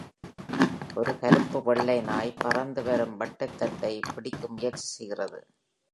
ஒரு கருப்பு வெள்ளை நாய் பறந்துவரும் வட்டத்தட்டை பிடிக்க முயற்சிசெய்கிறது.